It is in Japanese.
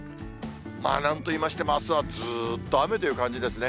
なんといいましても、あすはずっと雨という感じですね。